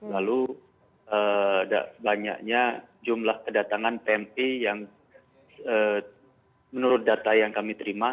lalu banyaknya jumlah kedatangan pmi yang menurut data yang kami terima